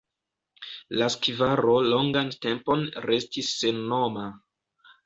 La skvaro longan tempon restis sennoma.